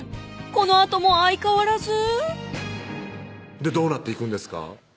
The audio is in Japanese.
このあとも相変わらずでどうなっていくんですか？